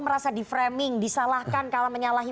merasa di framing disalahkan kalau menyalahi